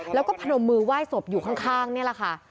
แล้วก็พนมมือไหว้ศพอยู่ข้างนี่แหละค่ะ